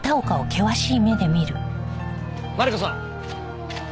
マリコさん。